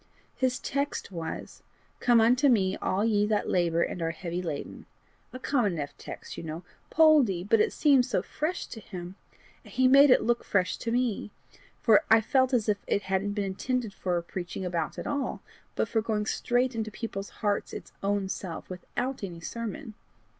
His text was: Come unto me all ye that labour and are heavy laden; a common enough text, you know? Poldie! but somehow it seemed fresh to him, and he made it look fresh to me, for I felt as if it hadn't been intended for preaching about at all, but for going straight into people's hearts its own self, without any sermon.